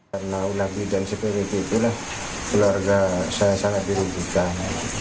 karena ulangi dan seperti itulah keluarga saya sangat dirugikan